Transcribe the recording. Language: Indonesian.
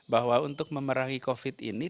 bahwa untuk memerangi covid ini